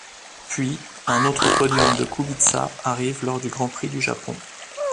Puis, un autre podium de Kubica arrive lors du Grand Prix du Japon.